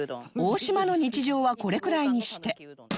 大島の日常はこれくらいにして